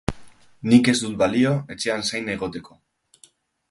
Nik ez dut balio etxean zain egoteko.